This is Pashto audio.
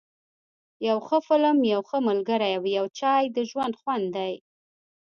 یو ښه فلم، یو ښه ملګری او یو چای ، د ژوند خوند دی.